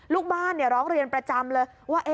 ลูกบ้านร้องเรียนประจำเลยว่า